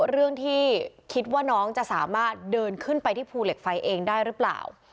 เรื่องที่คิดว่าน้องจะสามารถเดินขึ้นไปที่ภูเหล็กไฟเองได้หรือเปล่า